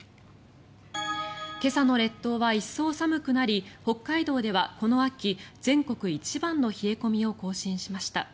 今朝の列島は一層寒くなり北海道ではこの秋、全国一番の冷え込みを更新しました。